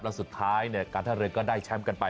แล้วสุดท้ายการท่าเรือก็ได้แชมป์กันไป